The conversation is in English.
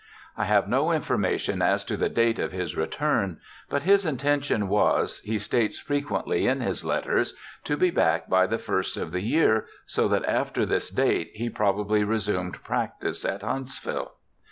I have no information as to the date of his return, but his intention was, he states frequently in his letters^ to AN ALABAMA STUDENT ii be back by the first of the year, so that after this date he probably resumed practice at Huntsville.